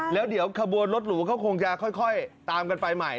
แล้วเดี๋ยวขบวนรถหรูเขาคงจะค่อยตามกันไปใหม่